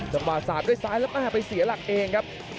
สาดด้วยซ้ายแล้วแม่ไปเสียหลักเองครับ